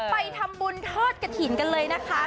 ไปทำบุญทอดกระถิ่นกันเลยนะคะ